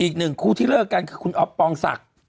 อีกหนึ่งคู่ที่เลิกกันคือคุณอ๊อปปองศักดิ์